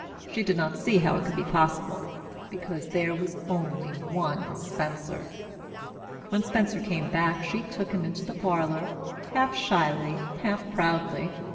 She did not see how it could be possible, because there was only one Spencer. When Spencer came back she took him into the parlour, half shyly, half proudly.